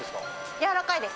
やわらかいです。